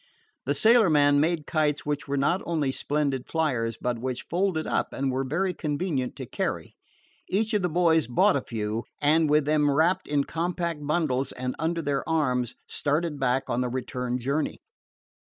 The sailorman made kites which were not only splendid fliers but which folded up and were very convenient to carry. Each of the boys bought a few, and, with them wrapped in compact bundles and under their arms, started back on the return journey.